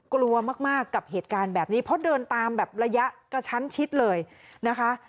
กลัวมากกับเหตุการณ์แบบนี้เพราะเดินตามแบบระยะกระชั้นชิดเลยนะคะ